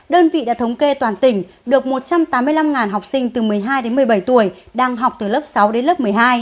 đơn vị đã thống kê toàn tỉnh được một trăm tám mươi năm học sinh từ một mươi hai đến một mươi bảy tuổi đang học từ lớp sáu đến lớp một mươi hai